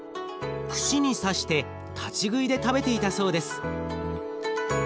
串に刺して立ち食いで食べていたそうです。